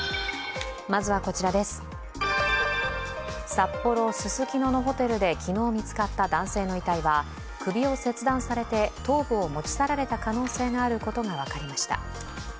札幌ススキノのホテルで昨日見つかった男性の遺体は首を切断されて頭部を持ち去られた可能性があることが分かりました。